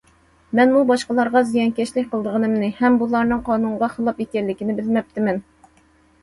مەنمۇ باشقىلارغا زىيانكەشلىك قىلىدىغىنىمنى، ھەم بۇلارنىڭ قانۇنغا خىلاپ ئىكەنلىكىنى بىلمەپتىمەن.